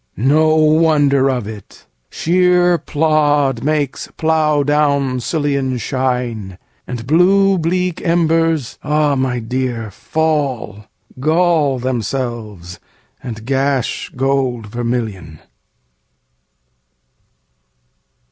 No wonder of it: shéer plód makes plough down sillion Shine, and blue bleak embers, ah my dear, Fall, gall themselves, and gash gold vermillion.